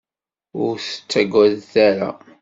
Ur ttagadet ara!